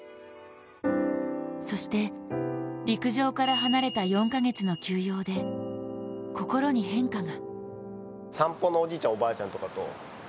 そして、陸上から離れた４か月の休養で心に変化が。